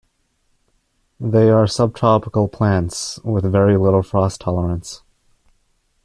They are subtropical plants, with very little frost tolerance.